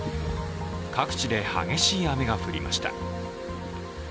各地で激しい雨が降りました。